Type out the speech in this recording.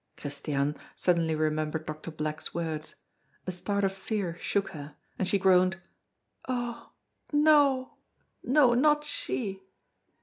Christiane suddenly remembered Doctor Black's words. A start of fear shook her; and she groaned: "Oh! no no not she!"